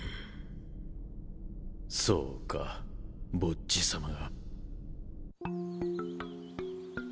そうかボッジ様が。